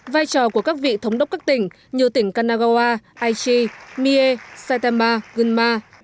vai trò của các vị thống đốc các tỉnh như tỉnh kanagawa aichi miê saitama gunma